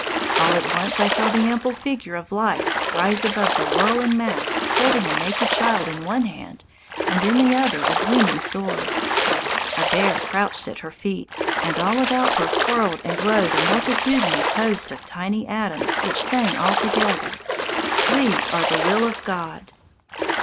All at once I saw the ample figure of Life rise above the whirling mass holding a naked child in one hand and in the other a gleaming sword. A bear crouched at her feet, and all about her swirled and glowed a multitudinous host of tiny atoms which sang all together, "We are the will of God."